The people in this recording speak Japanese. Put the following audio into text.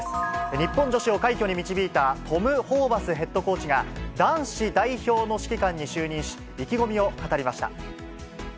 日本女子を快挙に導いたトム・ホーバスヘッドコーチが、男子代表の指揮官に就任し、意気込みを語りました。